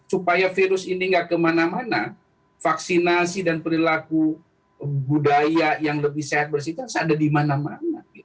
supaya virus ini gak kemana mana vaksinasi dan perilaku budaya yang lebih sehat bersih itu harus ada di mana mana